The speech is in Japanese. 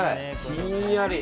ひんやり。